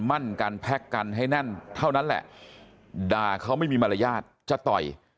มั่นกันแพ็คกันให้แน่นเท่านั้นแหละด่าเขาไม่มีมารยาทจะต่อย